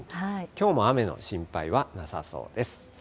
きょうも雨の心配はなさそうです。